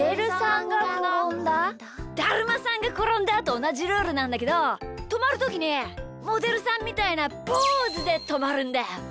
「だるまさんがころんだ」とおなじルールなんだけどとまるときにモデルさんみたいなポーズでとまるんだよ。